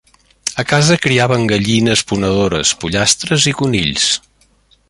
A casa criaven gallines ponedores, pollastres i conills.